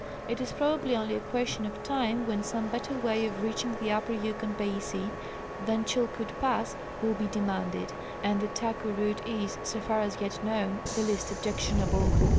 It is probabl}^ only a question of time when some better way of reaching the upper Yukon basin than Chilkoot pass will be demanded, and the Taku route is, so far as yet known, the least objectionable.